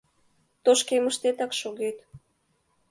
Тошкемыштетак шогет...